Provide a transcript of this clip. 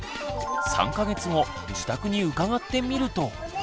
３か月後自宅に伺ってみると。